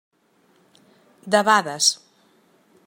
Debades.